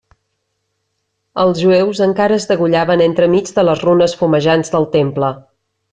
Els jueus encara es degollaven entremig de les runes fumejants del Temple.